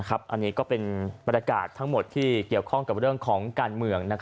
อันนี้ก็เป็นบรรยากาศทั้งหมดที่เกี่ยวข้องกับเรื่องของการเมือง